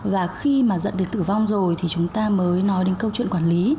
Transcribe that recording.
và khi mà dẫn đến tử vong rồi thì chúng ta mới nói đến câu chuyện quản lý